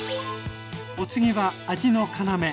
お次は味の要。